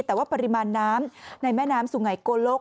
แต่ว่าปริมาณน้ำในแม่น้ำสุไงโกลก